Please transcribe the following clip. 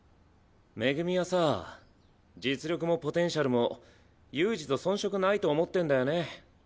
恵はさ実力もポテンシャルも悠仁と遜色ないと思ってんだよね